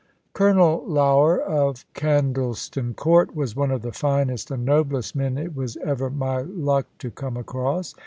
Colonel Lougher, of Candleston Court, was one of the finest and noblest men it was ever my luck to come across.